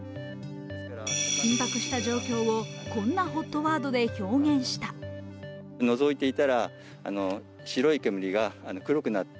緊迫した状況をこんなＨＯＴワードで表現した。